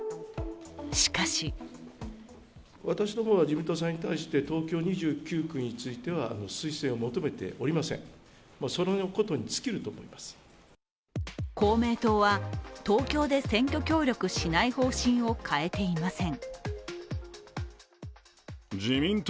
しかし公明党は東京で選挙協力しない方針を変えていません。